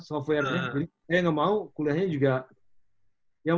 kalau saya nggak mau kuliahnya juga